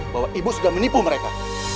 bahwa ibu sudah menipu mereka